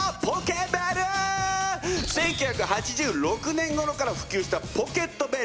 １９８６年ごろから普及したポケットベル。